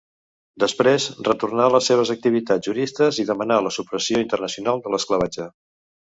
Després retornà a les seves activitats juristes i demanà la supressió internacional de l'esclavatge.